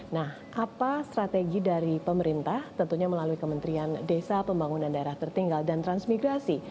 nah apa strategi dari pemerintah tentunya melalui kementerian desa pembangunan daerah tertinggal dan transmigrasi